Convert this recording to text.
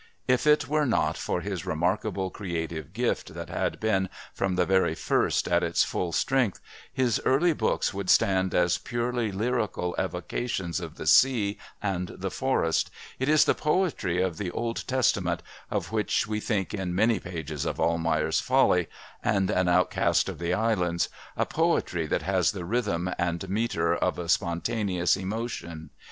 If it were not for his remarkable creative gift that had been, from the very first, at its full strength, his early books would stand as purely lyrical evocations of the sea and the forest. It is the poetry of the Old Testament of which we think in many pages of Almayer's Folly and An Outcast of the Island, a poetry that has the rhythm and metre of a spontaneous emotion.